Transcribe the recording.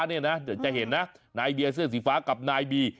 เดี๋ยวจะเห็นนะนายเบียร์เสื้อสีฟ้ากับนายบี